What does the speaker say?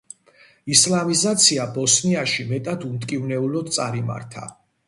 ისლამიზაცია ბოსნიაში მეტად უმტკივნეულოდ წარიმართა.